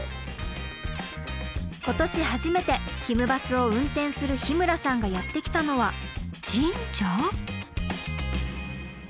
今年初めてひむバスを運転する日村さんがやって来たのは神社？